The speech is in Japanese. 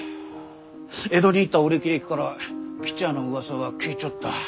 江戸に行ったお歴々から吉也のうわさは聞いちょった。